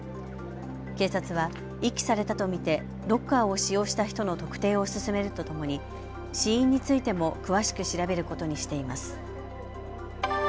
警察は遺棄されたと見てロッカーを使用した人の特定を進めるとともに死因についても詳しく調べることにしています。